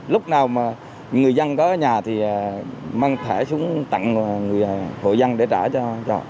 lúc nào mà người dân có ở nhà thì mang thẻ xuống tặng người dân để trả cho